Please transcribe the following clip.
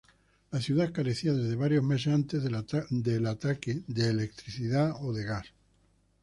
La ciudad carecía desde varios meses antes del ataque de electricidad o gas.